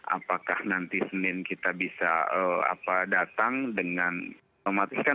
apakah nanti senin kita bisa datang dengan mematikan